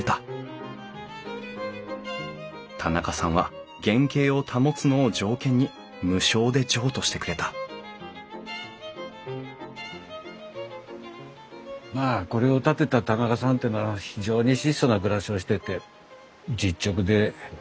田仲さんは原形を保つのを条件に無償で譲渡してくれたまあこれを建てた田仲さんっていうのは非常に質素な暮らしをしてて実直でまあ家族思い。